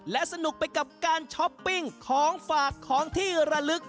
และสนุกไปกับการช้อปปิ้งของฝากของที่ระลึก